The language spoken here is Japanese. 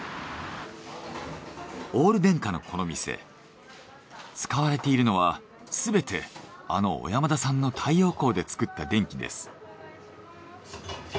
オール電化のこの店使われているのはすべてあの小山田さんの太陽光で作った電気です。